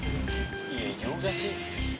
iya juga sih